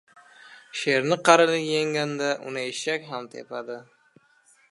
• Sherni qarilik yengganda uni eshak ham tepadi.